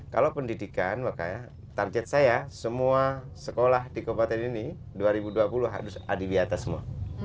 kalau pendidikan makanya target saya semua sekolah di kabupaten ini dua ribu dua puluh harus adiwiata semua